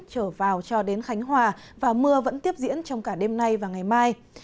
nhiệt độ cao cho đến khánh hòa và mưa vẫn tiếp diễn trong cả đêm nay và ngày mai